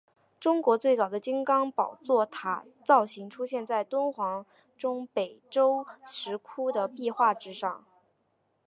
中国最早的金刚宝座塔造型出现在敦煌中北周石窟的壁画之上。